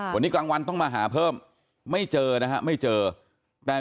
วันนี้กลางวันต้องมาหาเพิ่มไม่เจอนะฮะไม่เจอแต่